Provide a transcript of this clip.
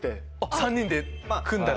３人で組んだら？